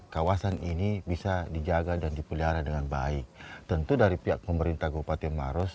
kawasan ini bisa dijaga dan dipelihara dengan baik tentu dari pihak pemerintah kabupaten maros